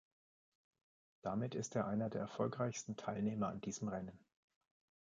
Damit ist er einer der erfolgreichsten Teilnehmer an diesem Rennen.